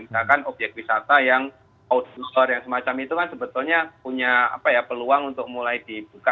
misalkan objek wisata yang auditor yang semacam itu kan sebetulnya punya peluang untuk mulai dibuka